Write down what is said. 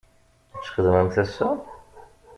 Ad txedmemt ass-a?